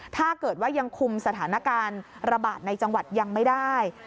ถ้าเกิดว่ายังคุมสถานการณ์ระบาดในจังหวัดยังไม่ได้